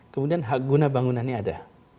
kemudian hak guna bangunannya ada